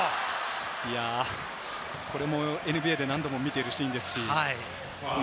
これもＮＢＡで何度も見ているシーンです。